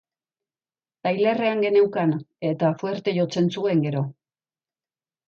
Tailerrean geneukan, eta fuerte jotzen zuen, gero.